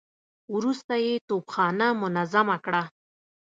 وروسته يې توپخانه منظمه کړه.